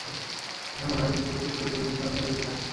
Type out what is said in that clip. তা ছাড়া মনে হয়, পুরুষের প্রতিপত্তি জিনিসটা মেয়েদের কাছে দামী।